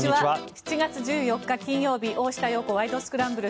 ７月１４日、金曜日「大下容子ワイド！スクランブル」。